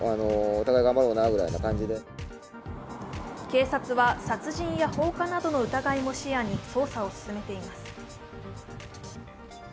警察は殺人や放火などの疑いも視野に捜査を進めています。